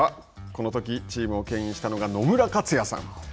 このときチームをけん引したのが野村克也さん。